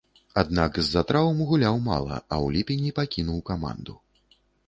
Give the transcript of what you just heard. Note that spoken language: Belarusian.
Аднак, з-за траўм гуляў мала, а ў ліпені пакінуў каманду.